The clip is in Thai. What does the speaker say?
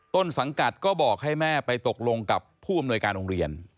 ต้นสังกัดก็บอกให้แม่ไปตกลงกับผู้อำนวยการโรงเรียน